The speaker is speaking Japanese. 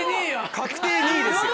確定２位ですよ。